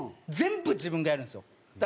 全部自分がやるんですよ。